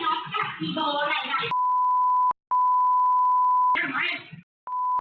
ไอ้ผู้ชายมันขายไป